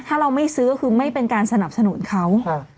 ถ้าเราไม่ซื้อก็คือไม่เป็นการสนับสนุนเขา